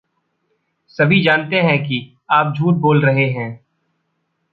सभी जानते है कि आप झूठ बोल रहे हैं।